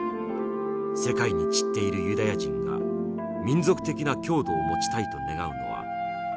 世界に散っているユダヤ人が民族的な郷土を持ちたいと願うのは至極当然である。